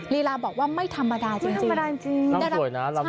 ลีลาบอกว่าไม่ธรรมดาจริงจริงไม่ธรรมดาจริงจริงน้ำสวยน้ำน้ำสวยน้ำ